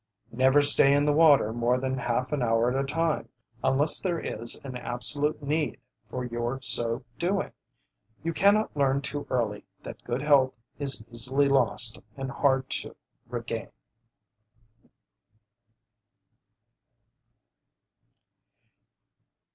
Never stay in the water more than half an hour at a time, unless there is an absolute need for your so doing. You cannot learn too early that good health is easily lost and hard to regain.